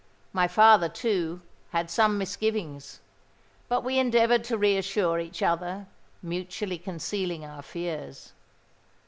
My father, too, had some misgivings; but we endeavoured to reassure each other, mutually concealing our fears.